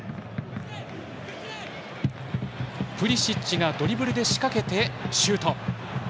プリシッチがドリブルで仕掛けてシュート。